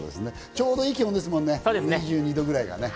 ちょうどいい気温ですもんね、２２度くらいがですね。